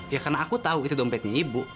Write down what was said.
ya karena aku tahu itu dompetnya ibu